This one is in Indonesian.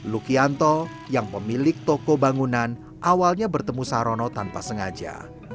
lukianto yang pemilik toko bangunan awalnya bertemu sarono tanpa sengaja